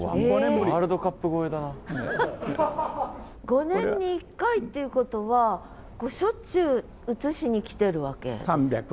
５年に１回ってことはしょっちゅう写しに来てるわけ？